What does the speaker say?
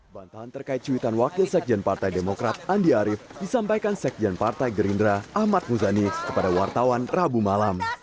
bantahan terkait cuitan wakil sekjen partai demokrat andi arief disampaikan sekjen partai gerindra ahmad muzani kepada wartawan rabu malam